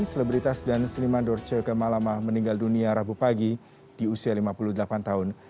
selebritas dan seniman dorce kemalama meninggal dunia rabu pagi di usia lima puluh delapan tahun